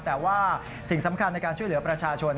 แต่ว่าสิ่งสำคัญในการช่วยเหลือประชาชน